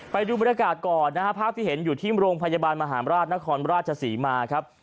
ไปดูบรรยากาศก่อนนะฮะภาพที่เห็นอยู่ที่โรงพยาบาลมหาราชนครราชศรีมาครับ